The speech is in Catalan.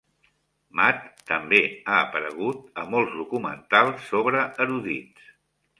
Matt també ha aparegut a molts documentals sobre erudits.